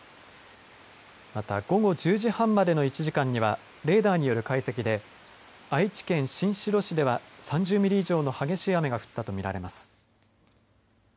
また午後１０時半までの１時間にはレーダーによる解析で愛知県新城市では３０ミリ以上の激しい雨が降ったと見られます。